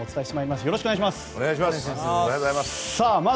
よろしくお願いします。